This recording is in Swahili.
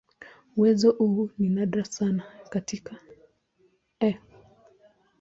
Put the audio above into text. Uwezo huu ni nadra sana katika "E.